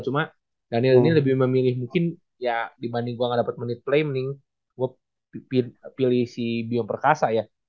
cuma daniel ini lebih memilih mungkin ya dibanding gue gak dapet menit plaining gue pilih si bio perkasa ya